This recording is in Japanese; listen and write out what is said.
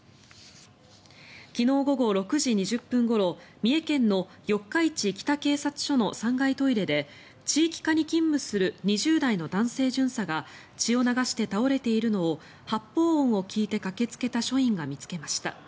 昨日午後６時２０分ごろ三重県の四日市北警察署の３階トイレで地域課に勤務する２０代の男性巡査が血を流して倒れているのを発砲音を聞いて駆けつけた署員が見つけました。